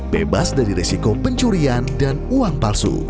pembelian dan uang palsu